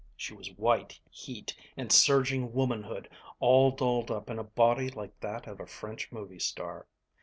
She was white heat and surging womanhood all dolled up in a body like that of a French movie star.